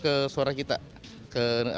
ke suara kita ke